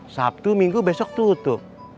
sabtu minggu besok tutup